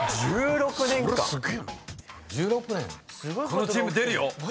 このチーム出るよ！